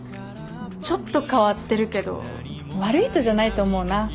ちょっと変わってるけど悪い人じゃないと思うな。